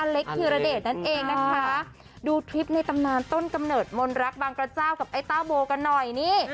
เล็กธีรเดชนั่นเองนะคะดูทริปในตำนานต้นกำเนิดมนรักบางกระเจ้ากับไอ้ต้าโบกันหน่อยนี่